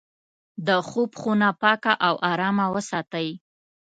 د خوب خونه پاکه او ارامه وساتئ.